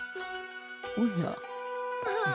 おや。